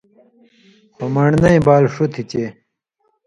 خو من٘ڑنئ بال ݜُو تھی چے